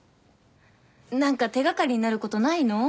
何か手掛かりになることないの？